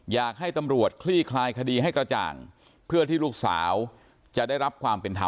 อยากให้ตำรวจคลี่คลายคดีให้กระจ่างเพื่อที่ลูกสาวจะได้รับความเป็นธรรม